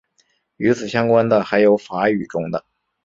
与此相关的还有法语中的。